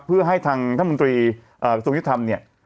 เพื่อให้ทางท่านมนตรีกระทรวงยุทธรรมเนี่ย